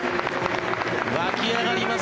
沸き上がります